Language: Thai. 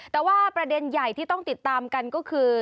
แต่ว่าประเด็นใหญ่ที่ต้องติดตามกันก็คือ